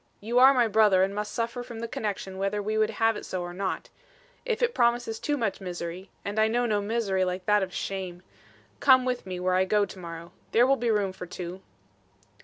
You are my brother and must suffer from the connection whether we would have it so or not. If it promises too much misery and I know no misery like that of shame come with me where I go to morrow. There will be room for two."